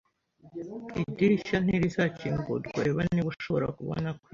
Idirishya ntirizakingurwa. Reba niba ushobora kubona kwimuka.